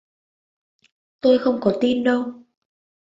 tôi không có tin đâu